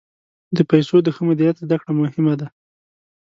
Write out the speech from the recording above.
د پیسو د ښه مدیریت زده کړه مهمه ده.